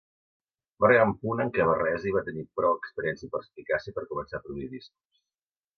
Va arribar un punt en què Barresi va tenir prou experiència i perspicàcia per començar a produir discos.